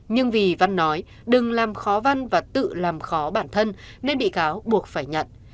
nhưng vì văn nói đừng làm khó văn và tự làm khó bản thân nên bị cáo buộc phải nhận